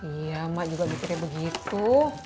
iya mak juga pikirnya begitu